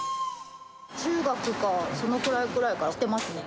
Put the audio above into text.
中学か、そのくらいから来てますね。